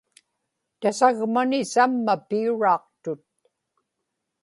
tasagmani samma piuraaqtut